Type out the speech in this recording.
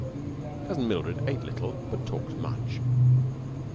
Cousin Mildred ate little but talked much.